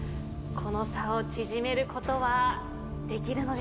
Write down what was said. この差を縮めることはできるのでしょうか。